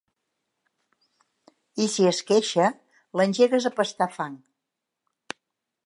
I si es queixa, l'engegues a pastar fang.